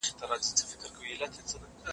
که په ویډیو کي غږ تېز وي نو غوږونه خوږوي.